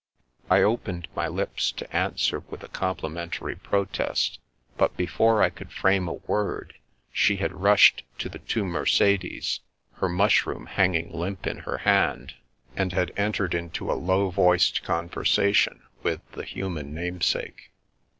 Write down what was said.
" I opened my lips to answer with a complimen tary protest, but before I could frame a word, she had rushed to the two Mercedes, her mush room hanging limp in her hand, and had entered 326 The Princess Passes into a low voiced conversation with the human namesake.